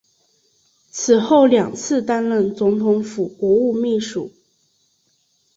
此后两次担任总统府国务秘书。